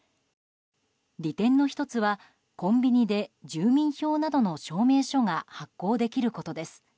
利点の１つは、コンビニで住民票などの証明書が発行できることです。